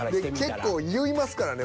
結構言いますからね